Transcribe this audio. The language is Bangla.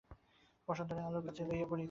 বসন্ত রায় আলাের কাছে লইয়া পড়িতে লাগিলেন।